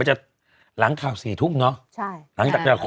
จะหลังข่าว๔ทุ่มเนาะ